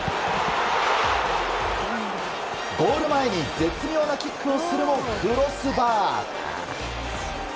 ゴール前に絶妙なキックをするもクロスバー。